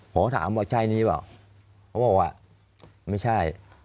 ผมก็ถามว่าใช่นี้เปล่าเขาบอกว่าไม่ใช่